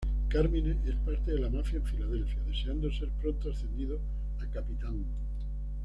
Carmine es parte de la mafia en Filadelfia, deseando ser pronto ascendido a capitán.